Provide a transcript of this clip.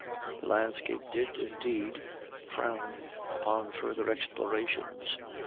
The landscape did, indeed, frown upon further explorations.